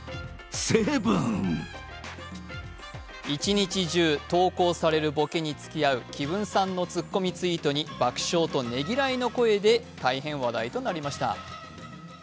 一日中、投稿されるボケに付き合う紀文さんのツッコミツイートに爆笑とねぎらいの声で大変話題となりました。